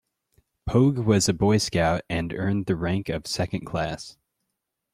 Pogue was a Boy Scout and earned the rank of Second Class.